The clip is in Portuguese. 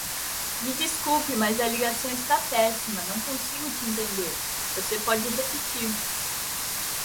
Me desculpe, mas a ligação está péssima, não consigo te entender. Você pode repetir.